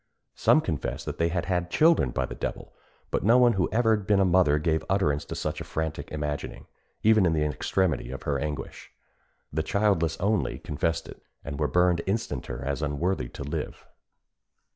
Some confessed that they had had children by the devil; but no one who had ever been a mother gave utterance to such a frantic imagining, even in the extremity of her anguish. The childless only confessed it, and were burned instanter as unworthy to live.